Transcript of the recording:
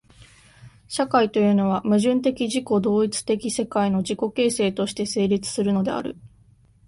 社会というのは、矛盾的自己同一的世界の自己形成として成立するのである。